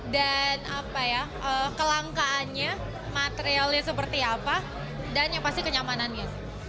dan apa ya kelangkaannya materialnya seperti apa dan yang pasti kenyamanannya